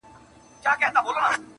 ٫عبدالباري جهاني٫